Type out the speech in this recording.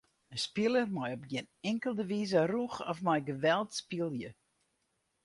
In spiler mei op gjin inkelde wize rûch of mei geweld spylje.